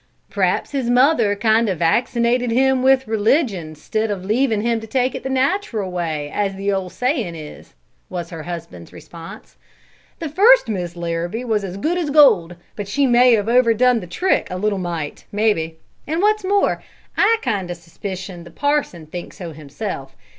"P'raps his mother kind o' vaccinated him with religion 'stid o' leavin' him to take it the natural way, as the ol' sayin' is," was her husband's response. "The first Mis' Larrabee was as good as gold, but she may have overdone the trick a little mite, mebbe; and what's more, I kind o' suspicion the parson thinks so himself.